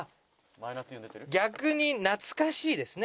「逆に懐かしいですね